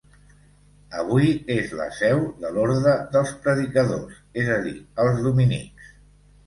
Avui és la seu de l'orde dels Predicadors, és a dir, els dominics.